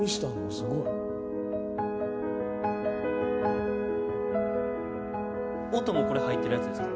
すごい！」「音もこれ入ってるやつですか？」